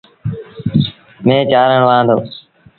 مينهن چآرڻ وهآن دو۔